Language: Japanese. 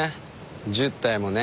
１０体もね。